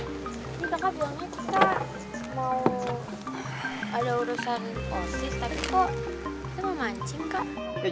tapi kok kita mau mancing kak